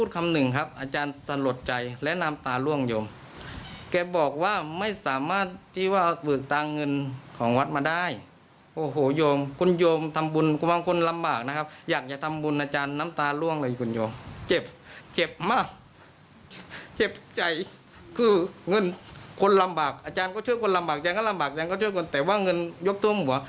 คนลำบากอาจารย์ก็ช่วยคนลำบากแต่ว่าเงินยกด้วยมือ